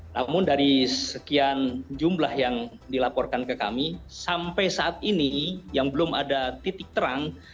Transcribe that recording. namun dari sekian jumlah yang dilaporkan ke kami sampai saat ini yang belum ada titik terang